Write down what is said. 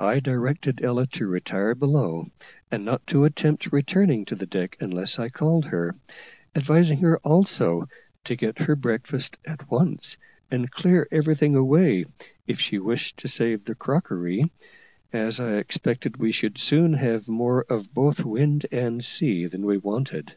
I directed Ella to retire below, and not to attempt returning to the deck unless I called her, advising her also to get her breakfast at once, and clear everything away, if she wished to save the crockery, as I expected we should soon have more of both wind and sea than we wanted.